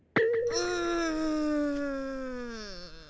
うん。